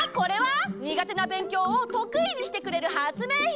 にがてなべんきょうをとくいにしてくれる発明品！